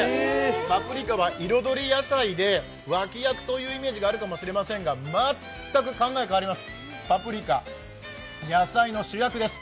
パプリカは彩り野菜で脇役というイメージがあるかもしれませんが、全く考え変わります、パプリカ、野菜の主役です。